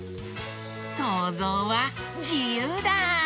そうぞうはじゆうだ！